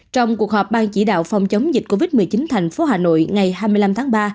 trong cuộc họp ban chỉ đạo phòng chống dịch covid một mươi chín thành phố hà nội ngày hai mươi năm tháng ba